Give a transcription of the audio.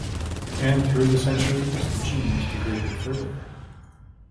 And through the centuries, the genes degraded further.